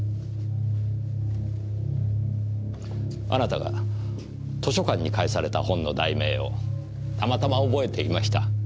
あなたが図書館に返された本の題名をたまたま覚えていました。